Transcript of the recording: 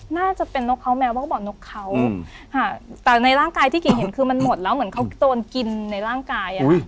น่าจะเป็นนกเขาแมวเพราะเขาบอกนกเขาค่ะแต่ในร่างกายที่กิ่งเห็นคือมันหมดแล้วเหมือนเขาโดนกินในร่างกาย